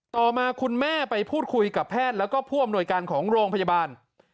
ต่อมาคุณแม่ไปพูดคุยกับแพทย์แล้วก็ผู้อำนวยการของโรงพยาบาล